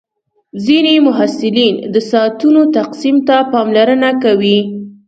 ځینې محصلین د ساعتونو تقسیم ته پاملرنه کوي.